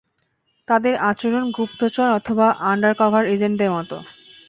তাদের আচরণ গুপ্তচর অথবা আন্ডারকভার এজেন্টদের মতো।